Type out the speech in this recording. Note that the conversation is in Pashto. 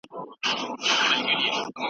ایډیالوژي نباید حقیقت پټ کړي.